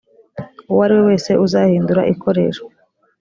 uwo ari we wese uzahindura ikoreshwa